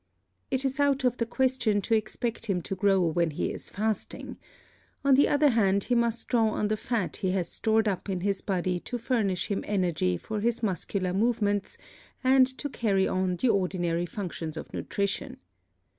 It is out of the question to expect him to grow when he is fasting; on the other hand he must draw on the fat he has stored up in his body to furnish him energy for his muscular movements and to carry on the ordinary functions of nutrition.